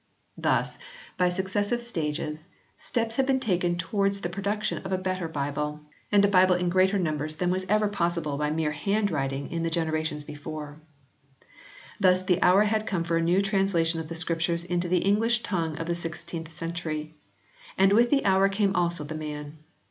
Thus, by successive stages, steps had been taken towards the production of a better Bible, and a Bible in greater numbers than was ever possible by mere hand writing in the generations before. Thus the hour had come for a new translation of the Scriptures into the English tongue of the sixteenth century. And with the hour came also the man.